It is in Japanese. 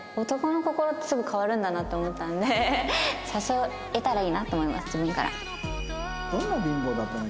男の心ってすぐ変わるんだなって思ったんで誘えたらいいなと思います自分から。